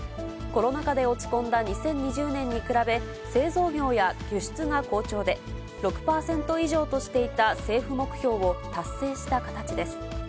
コロナ禍で落ち込んだ２０２０年に比べ、製造業や輸出が好調で、６％以上としていた政府目標を達成した形です。